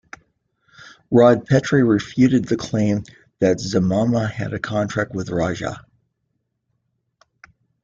Rod Petrie refuted the claim that Zemmama had a contract with Raja.